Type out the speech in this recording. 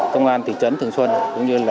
công an thị trấn trần xuân